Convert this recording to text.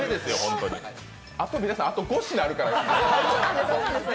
皆さん、あと５品あるからね。